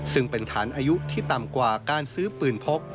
ซึ่งเป็นฐานอายุที่ต่ำกว่าการซื้อปืนพก